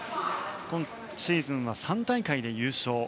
今シーズンは３大会で優勝。